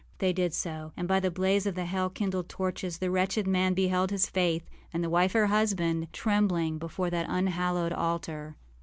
â They did so; and, by the blaze of the hell kindled torches, the wretched man beheld his Faith, and the wife her husband, trembling before that unhallowed altar.